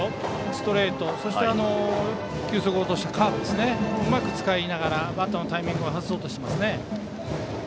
ストレート球速を落としたカーブをうまく使いながらバッターのタイミングを外そうとしていますね。